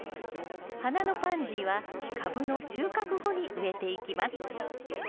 花のパンジーはカブの収穫後に植えていきます。